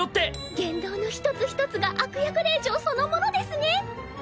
言動の一つ一つが悪役令嬢そのものですね。